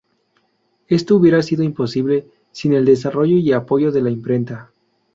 Esto hubiera sido imposible sin el desarrollo y apoyo de la imprenta.